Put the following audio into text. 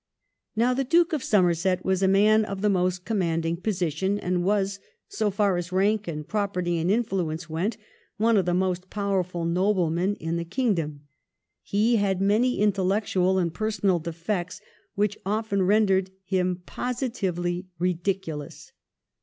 Now the Duke of Somerset was a man of the most commanding position, and was, so far as rank and property and influence went, one of the most powerful noblemen in the kingdom. He had many intellectual and personal defects, which often rendered him positively ridiculous.